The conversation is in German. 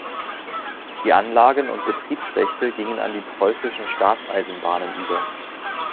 Die Anlagen und Betriebsrechte gingen an die Preußischen Staatseisenbahnen über.